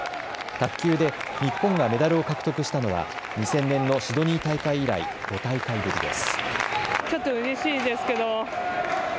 卓球で日本がメダルを獲得したのは２０００年のシドニー大会以来５大会ぶりです。